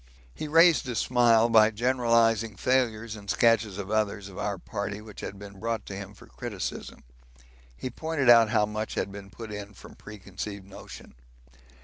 He raised a smile by generalising failures in sketches of others of our party which had been brought to him for criticism. He pointed out how much had been put in from preconceived notion.